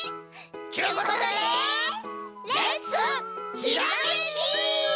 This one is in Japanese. ちゅうことでレッツひらめき！